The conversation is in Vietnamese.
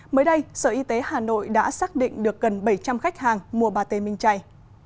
mới đây sở y tế hà nội đã xác định được gần bảy trăm linh khách hàng mua bà tê minh chay